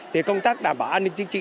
thì công tác đảm bảo an ninh chính trị